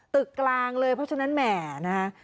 ตึกกลางเลยเพราะฉะนั้นแหมนะคะ